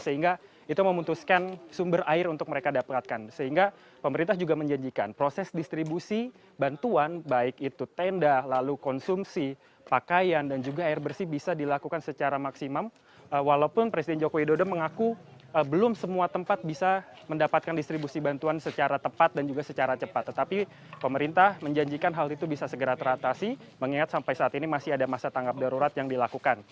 sehingga itu memutuskan sumber air untuk mereka dapatkan sehingga pemerintah juga menjanjikan proses distribusi bantuan baik itu tenda lalu konsumsi pakaian dan juga air bersih bisa dilakukan secara maksimum walaupun presiden joko widodo mengaku belum semua tempat bisa mendapatkan distribusi bantuan secara tepat dan juga secara cepat tetapi pemerintah menjanjikan hal itu bisa segera teratasi mengingat sampai saat ini masih ada masa tanggap darurat yang dilakukan